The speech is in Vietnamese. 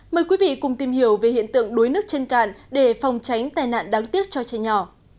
mời quý vị cùng tìm hiểu về hiện tượng đuối nước trên cạn để phòng tránh tai nạn đáng tiếc cho trẻ nhỏ